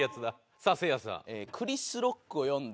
さあせいやさん。